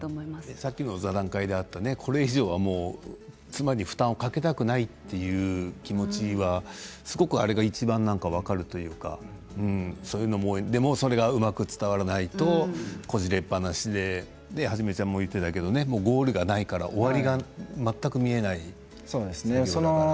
さっき座談会であったこれ以上、妻に負担をかけたくないという気持ちはすごく、あれがいちばん分かるというかでも、それがうまく伝わらないとこじれっぱなしでハジメちゃんも言っていたけどゴールがないから終わりが見えない中だから。